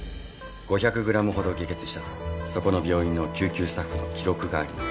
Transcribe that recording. ５００ｇほど下血したとそこの病院の救急スタッフの記録があります。